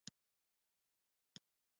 لودویک آدمک د هغه پاره کې لیکي.